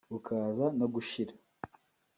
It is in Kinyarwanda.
bukaza no gushira